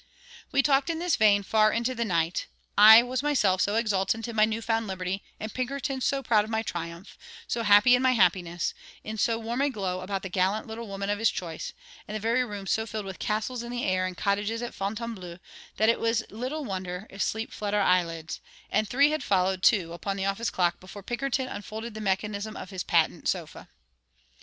We talked in this vein far into the night. I was myself so exultant in my new found liberty, and Pinkerton so proud of my triumph, so happy in my happiness, in so warm a glow about the gallant little woman of his choice, and the very room so filled with castles in the air and cottages at Fontainebleau, that it was little wonder if sleep fled our eyelids, and three had followed two upon the office clock before Pinkerton unfolded the mechanism of his patent sofa.